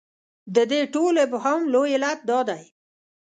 د دې ټول ابهام لوی علت دا دی.